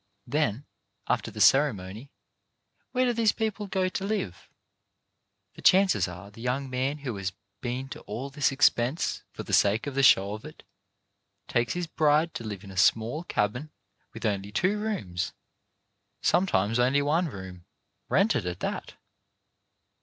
Then, after the ceremony, where do these people go to live ? The chances are the young man who has been to all this expense for the sake of the show of it, takes his bride to live in a small cabin with only two rooms — sometimes only one room — rented at that.